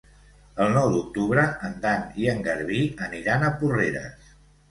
El nou d'octubre en Dan i en Garbí aniran a Porreres.